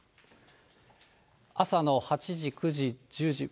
朝の８時、９時、１０時。